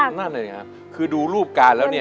นั่นเลยนะครับคือดูรูปการณ์แล้วเนี่ย